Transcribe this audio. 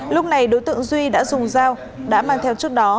lúc này đối tượng duy đã dùng dao đã mang theo trước đó